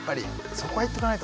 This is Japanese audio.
そこは行っとかないと。